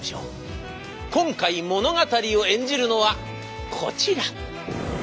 今回物語を演じるのはこちら。